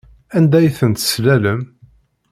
Anda ay tent-teslalem?